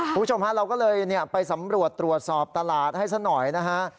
คุณผู้ชมฮะเราก็เลยไปสำรวจตรวจสอบตลาดให้ซะหน่อยนะฮะ